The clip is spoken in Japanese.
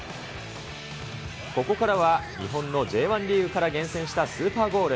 ここからは日本のＪ１リーグから厳選したスーパーゴール。